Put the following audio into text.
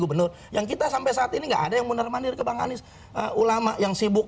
gubernur yang kita sampai saat ini enggak ada yang munar mandir kebangani ulama yang sibuk